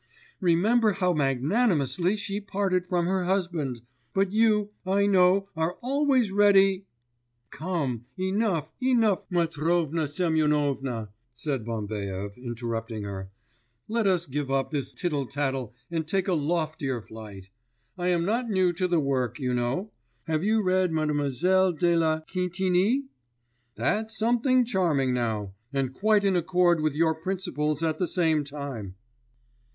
Remember how magnanimously she parted from her husband! But you, I know, are always ready ' 'Come, enough, enough, Matrona Semyonovna,' said Bambaev, interrupting her, 'let us give up this tittle tattle, and take a loftier flight. I am not new to the work, you know. Have you read Mlle. de la Quintinie? That's something charming now! And quite in accord with your principles at the same time!